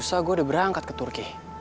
yaudah gue tinggal dulu ya